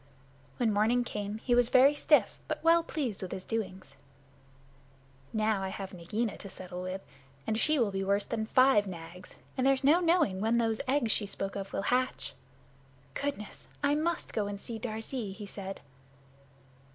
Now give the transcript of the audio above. When morning came he was very stiff, but well pleased with his doings. "Now I have Nagaina to settle with, and she will be worse than five Nags, and there's no knowing when the eggs she spoke of will hatch. Goodness! I must go and see Darzee," he said.